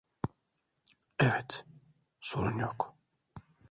Evet, sorun yok.